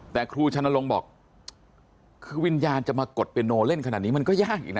แต่ครูชนลงบอกคือวิญญาณจะมากดเปียโนเล่นขนาดนี้มันก็ยากอีกนะ